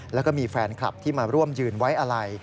แล้วก็มีแฟนคลับที่มาร่วมยืนไว้อะไร